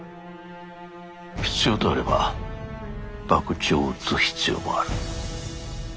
必要とあれば博打を打つ必要もある。